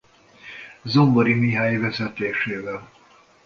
Zombori Mihály vezetésével.